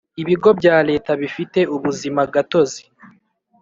Ibigo bya Leta bifite ubuzimagatozi